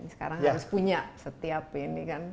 sekarang harus punya setiap ini kan